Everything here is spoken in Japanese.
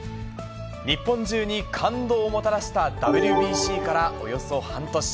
日本中に感動をもたらしたＷＢＣからおよそ半年。